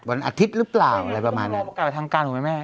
วันอาทิตย์หรือเปล่าอะไรประมาณนั้นต้องรอประกาศทางการหรือไหมแม่